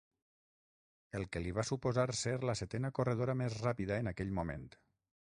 El que li va suposar ser la setena corredora més ràpida en aquell moment.